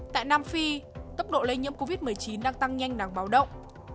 tại nam phi tốc độ lây nhiễm covid một mươi chín đang tăng nhanh đáng báo động